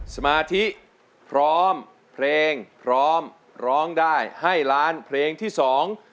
สมาธิพร้อมเพลงพร้อมร้องได้ให้ล้านเพลงที่สอง